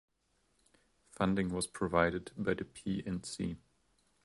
Funding was provided by the P and C.